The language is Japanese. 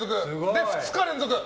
で、２日連続。